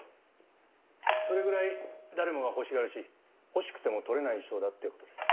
それぐらい誰もが欲しがるし欲しくても取れない賞だって事ですよ。